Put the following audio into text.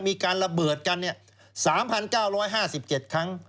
มีการระเบิดกัน๓๙๕๗ครั้ง